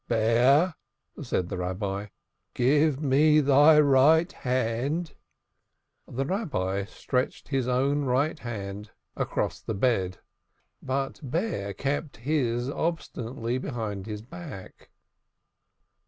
"Bear," said the Rabbi, "give me thy right hand." The Rabbi stretched his own right hand across the bed, but Bear kept his obstinately behind his back.